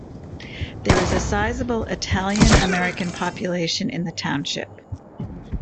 There is a sizable Italian American population in the township.